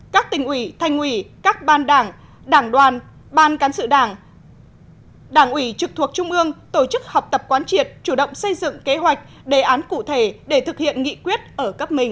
các tỉnh ủy thanh ủy các ban đảng đảng đoàn ban cán sự đảng ủy trực thuộc trung ương tổ chức học tập quán triệt chủ động xây dựng kế hoạch đề án cụ thể để thực hiện nghị quyết ở cấp mình